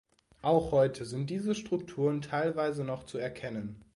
Auch heute sind diese Strukturen teilweise noch zu erkennen.